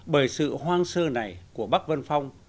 bởi sự hoang sơ này của bắc vân phong